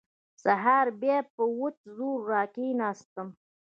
سهار بيا په وچ زور راکښېناستم.